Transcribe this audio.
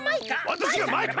わたしがマイカ！